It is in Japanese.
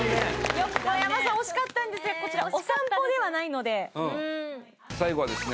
横山さん惜しかったんですがこちらお散歩ではないのでうん最後はですね